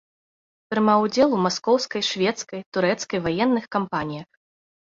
Прымаў удзел у маскоўскай, шведскай, турэцкай ваенных кампаніях.